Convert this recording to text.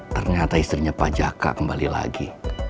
ternyata istrinya pak jaka kembali lagi